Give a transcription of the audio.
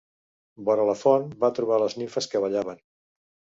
Vora la font va trobar les nimfes que ballaven.